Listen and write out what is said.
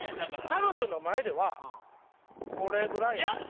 彼女の前ではこれぐらいやねん。